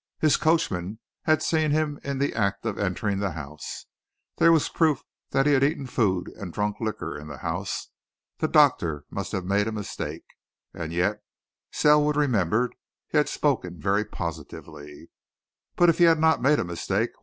His coachman had seen him in the act of entering the house; there was proof that he had eaten food and drunk liquor in the house. The doctor must have made a mistake and yet, Selwood remembered, he had spoken very positively. But if he had not made a mistake?